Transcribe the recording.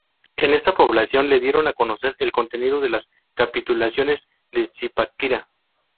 En esa población le dieron a conocer el contenido de las Capitulaciones de Zipaquirá.